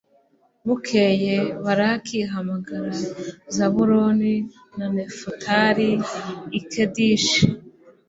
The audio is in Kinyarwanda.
bukeye, baraki ahamagaza zabuloni na nefutali i kedeshi